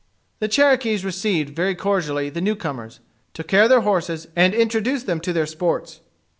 The Cherokees received very cordially the newcomers, took care of their horses, and introduced them to their sports.